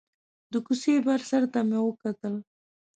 د کوڅې بر سر ته مې وکتل.